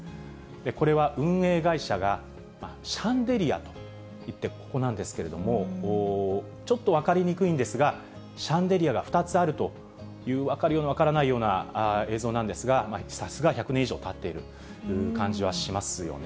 これは運営会社がシャンデリアと言って、ここなんですけれども、ちょっと分かりにくいんですが、シャンデリアが２つあるという、分かるような、分からないような映像なんですが、さすが１００年以上たっている感じはしますよね。